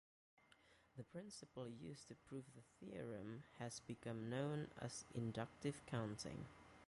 The principle used to prove the theorem has become known as inductive counting.